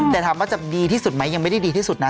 แต่ถามว่าจะดีที่สุดไหมยังไม่ได้ดีที่สุดนะ